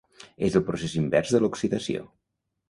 És el procés invers de l'oxidació.